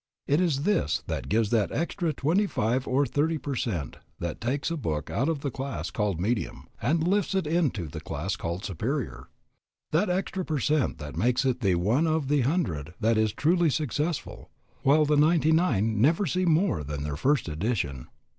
It is this that gives that extra twenty five or thirty per cent that takes a book out of the class called medium and lifts it into the class called superior, that extra per cent that makes it the one of the hundred that is truly successful, while the ninety nine never see more than their first edition.